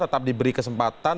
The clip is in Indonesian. tetapi diberi kesempatan